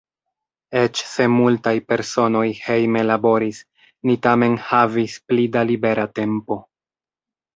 Eĉ se multaj personoj hejme laboris, ni tamen havis pli da libera tempo.